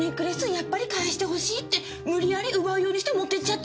やっぱり返して欲しいって無理矢理奪うようにして持ってっちゃったんです！